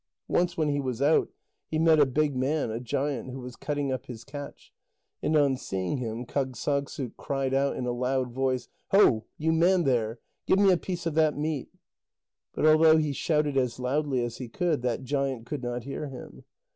Once when he was out, he met a big man, a giant, who was cutting up his catch, and on seeing him, Kâgssagssuk cried out in a loud voice: "Ho, you man there, give me a piece of that meat!" But although he shouted as loudly as he could, that giant could not hear him.